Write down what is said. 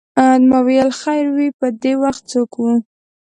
ما ویل خیر وې په دې وخت څوک و.